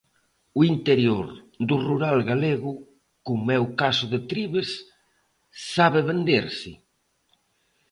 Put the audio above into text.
O interior do rural galego, como é o caso de Trives, sabe venderse?